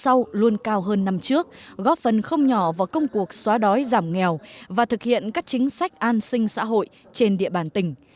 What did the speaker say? giá trị nhân đạo luôn cao hơn năm trước góp phần không nhỏ vào công cuộc xóa đói giảm nghèo và thực hiện các chính sách an sinh xã hội trên địa bàn tỉnh